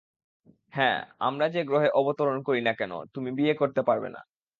হ্যাঁ, আমরা যে গ্রহে অবতরণ করি না কেন তুমি বিয়ে করতে পারবে না।